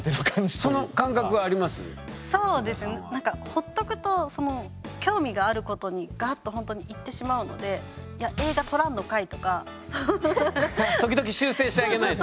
ほっとくと興味があることにガッとほんとに行ってしまうのでいや時々修正してあげないと。